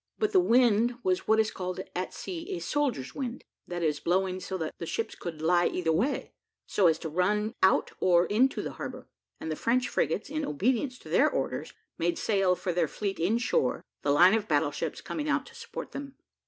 But the wind was what is called at sea a soldier's wind, that is, blowing so that the ships could lie either way, so as to run out or into the harbour, and the French frigates, in obedience to their orders, made sail for their fleet in shore, the line of battle ships coming out to support them.